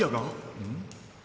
うん？